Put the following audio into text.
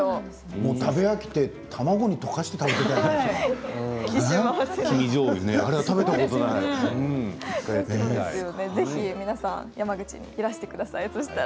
食べ飽きて卵に溶かして食べていましたね。